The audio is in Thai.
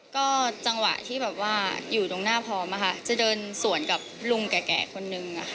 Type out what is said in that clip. ก็จังหวะที่แบบว่าอยู่ตรงหน้าพร้อมจะเดินสวนกับลุงแก่คนนึง